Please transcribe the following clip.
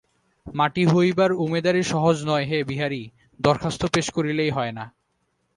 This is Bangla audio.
মাটি হইবার উমেদারি সহজ নয় হে বিহারী, দরখাস্ত পেশ করিলেই হয় না।